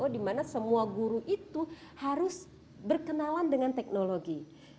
dimana semua guru itu harus berkenalan dengan teknologi